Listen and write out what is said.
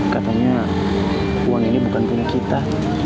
katanya uang ini bukan punya kita